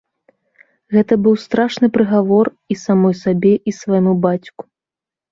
Гэта быў страшны прыгавор і самой сабе, і свайму бацьку.